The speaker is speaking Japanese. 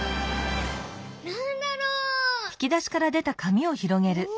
なんだろう？